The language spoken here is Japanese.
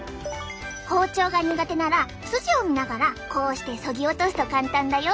包丁が苦手なら筋を見ながらこうしてそぎ落とすと簡単だよ。